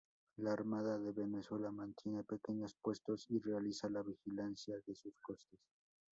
La Armada de Venezuela mantiene pequeños puestos y realiza la vigilancia de sus costas.